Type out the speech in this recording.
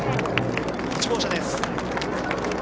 １号車です。